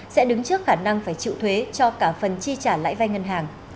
sẽ đứng trước khả năng phải chịu thuế cho cả phần chi trả lãi vai ngân hàng